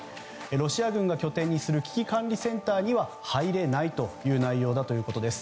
ロシア軍が拠点にする危機管理センターには入れないという内容だということです。